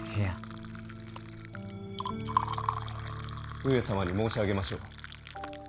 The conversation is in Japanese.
上様に申し上げましょう。